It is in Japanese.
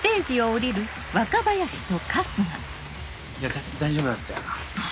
だ大丈夫だったよな？